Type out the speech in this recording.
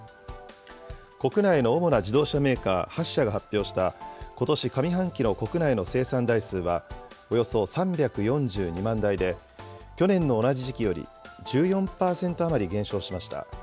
国内の主な自動車メーカー８社が発表したことし上半期の国内の生産台数はおよそ３４２万台で、去年の同じ時期より１４％余り減少しました。